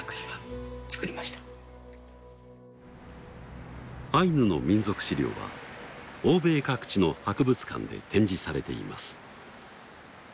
そういう方々なのでアイヌの民族資料は欧米各地の博物館で展示されています。